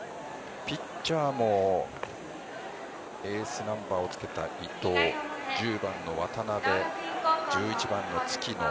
ピッチャーもエースナンバーをつけた伊藤１０番の渡邉、１１番の月野